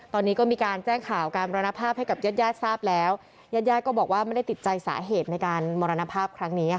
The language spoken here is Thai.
ตอนนี้ก็มีการแจ้งข่าวการมรณภาพ